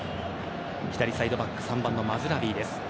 左サイドバック３番のマズラウィです。